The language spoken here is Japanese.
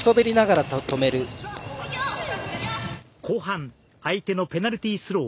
後半相手のペナルティースロー。